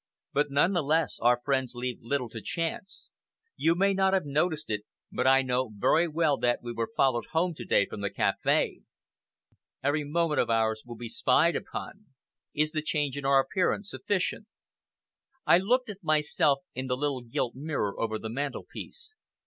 But none the less, our friends leave little to chance. You may not have noticed it, but I knew very well that we were followed home to day from the café. Every moment of ours will be spied upon. Is the change in our appearance sufficient?" I looked at myself in the little gilt mirror over the mantel piece.